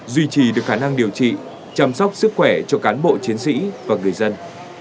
duy trì được khả năng điều trị chăm sóc sức khỏe cho cán bộ chiến sĩ và người dân